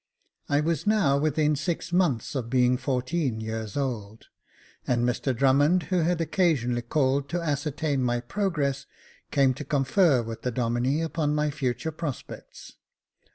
I was now within six months of being fourteen years old, and Mr Drummond, who had occasionally called to ascertain my progress, came to confer with the Domine upon my future prospects.